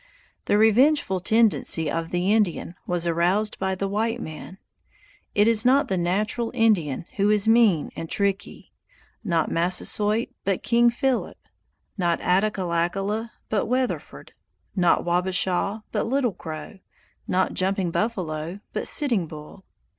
The revengeful tendency of the Indian was aroused by the white man. It is not the natural Indian who is mean and tricky; not Massasoit but King Philip; not Attackullakulla but Weatherford; not Wabashaw but Little Crow; not Jumping Buffalo but Sitting Bull!